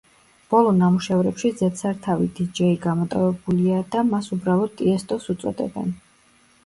ბოლო ნამუშევრებში ზედსართავი დიჯეი გამოტოვებულია და მას უბრალოდ ტიესტოს უწოდებენ.